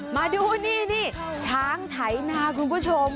มาดูนี่ช้างไถนาคุณผู้ชม